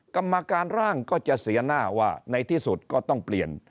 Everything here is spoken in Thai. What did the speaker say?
กรรมการร่างก็จะเสียหน้าว่าในที่สุดก็ต้องเปลี่ยน